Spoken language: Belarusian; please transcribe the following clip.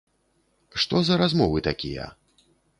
Што за размовы такія?!